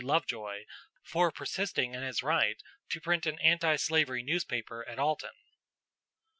Lovejoy for persisting in his right to print an antislavery newspaper at Alton.